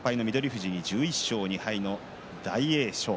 富士に１１勝２敗の大栄翔。